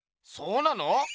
そうなの？